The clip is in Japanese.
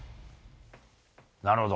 なるほど。